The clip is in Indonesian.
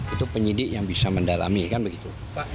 itu penyidik yang bisa mendalami kan begitu